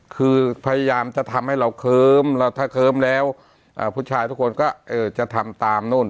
คือพยายามจะทำให้เราเคิ้มแล้วถ้าเคิ้มแล้วผู้ชายทุกคนก็จะทำตามนู่น